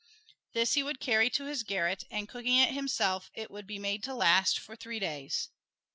This he would carry to his garret, and cooking it himself it would be made to last for three days.